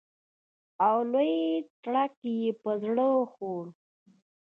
او لوی تړک یې په زړه وخوړ.